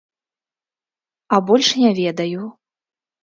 А больш не ведаю.